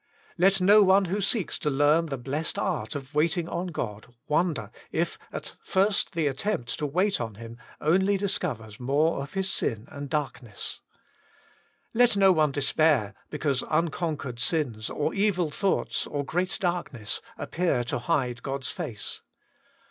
Let no one who seeks to learn the blessed art of waiting on God, wonder if at first the attempt to wait on Him only discovers more of his sin WAITING ON GODI 95 and darkness. Let no one despair because nnconquered sins, or evil thoughts, or great darkness appear to hide God's face.